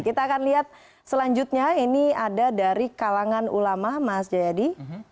kita akan lihat selanjutnya ini ada dari kalangan ulama mas jayadi